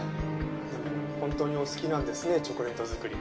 でも本当にお好きなんですねチョコレート作り。